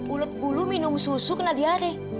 ulet bulu minum susu kena diare